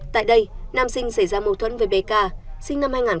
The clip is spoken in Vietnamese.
tại đây nam sinh xảy ra mâu thuẫn với bé ca sinh năm hai nghìn một mươi hai